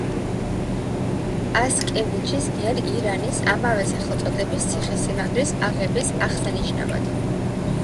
პასკევიჩის მიერ ირანის ამავე სახელწოდების ციხესიმაგრის აღების აღსანიშნავად.